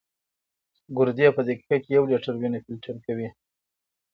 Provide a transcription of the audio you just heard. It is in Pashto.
ګردې په دقیقه کې یو لیټر وینه فلټر کوي.